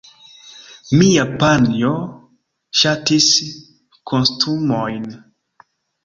Mia panjo ŝatis kostumojn.